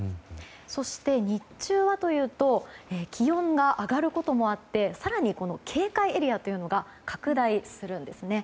そして、日中はというと気温が上がることもあって更に警戒エリアが拡大するんですね。